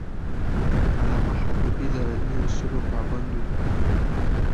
علامه حبیبي د علمي اصولو پابند و.